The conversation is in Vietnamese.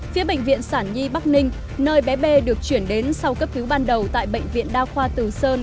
phía bệnh viện sản nhi bắc ninh nơi bé b được chuyển đến sau cấp cứu ban đầu tại bệnh viện đa khoa từ sơn